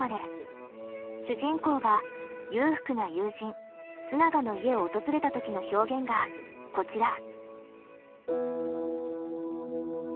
主人公が裕福な友人須永の家を訪れた時の表現がこちら。